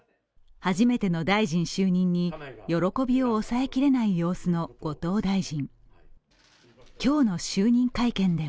初めての大臣就任に喜びを抑えられない様子の後藤大臣。